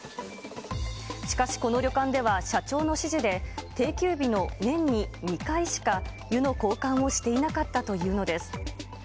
しかしこの旅館では、社長の指示で、定休日の年に２回しか湯の交換をしていなかったというのです。